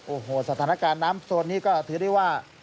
โอ้โหสถานการณ์น้ำโซนนี้ก็ถือได้ว่า